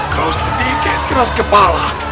kau sedikit keras kepala